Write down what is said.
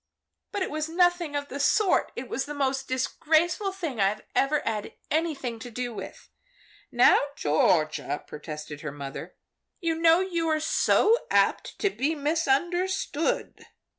"But it was nothing of the sort! It was the most disgraceful thing I ever had anything to do with." "Now Georgia," protested her mother, "you know you are so apt to be misunderstood."